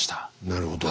なるほど。